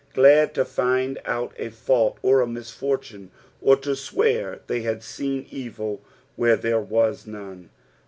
Glad to find out a fault or a misfortune, or to swear they hod seen evil where there was none.